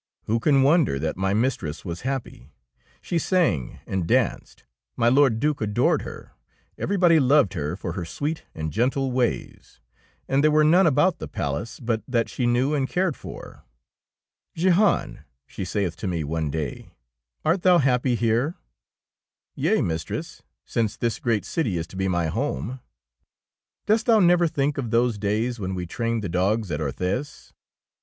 Who can wonder that my mistress was happy? She sang and danced, my Lord Due adored her, everybody loved her for her sweet and gentle ways, and there were none about the palace but that she knew and cared for. ''Jehan,'^ she saith to me one day, ''art thou happy here?'^ "Yea, mistress, since this great city is to be my home.'^ 38 THE ROBE OF THE DUCHESS "Dost thou never think of those days when we trained the dogs at Orthez?